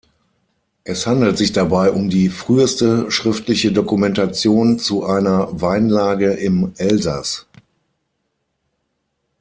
Es handelt sich dabei um die früheste schriftliche Dokumentation zu einer Weinlage im Elsass.